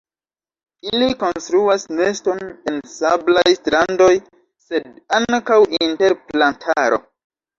Ili konstruas neston en sablaj strandoj sed ankaŭ inter plantaro.